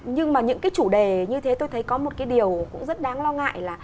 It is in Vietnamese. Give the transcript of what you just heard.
nhưng mà những chủ đề như thế tôi thấy có một điều rất đáng lo ngại